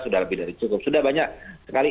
sudah lebih dari cukup sudah banyak sekali